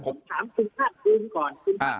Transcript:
ผมถามคุณพ่านปืนก่อน